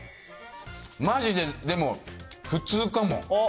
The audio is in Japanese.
まじででも、普通かも。